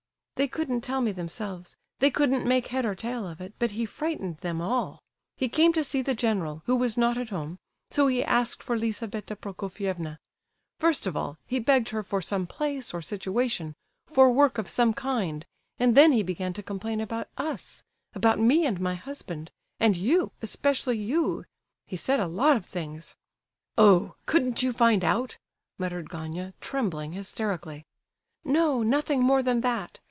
"They couldn't tell me themselves; they couldn't make head or tail of it; but he frightened them all. He came to see the general, who was not at home; so he asked for Lizabetha Prokofievna. First of all, he begged her for some place, or situation, for work of some kind, and then he began to complain about us, about me and my husband, and you, especially you; he said a lot of things." "Oh! couldn't you find out?" muttered Gania, trembling hysterically. "No—nothing more than that.